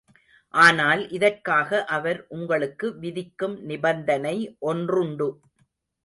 ஆனால், இதற்காக அவர் உங்களுக்கு விதிக்கும் நிபந்தனை ஒன்றுண்டு.